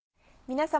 皆様。